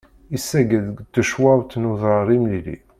Isagg-d seg tecwawt n udrar imlilli.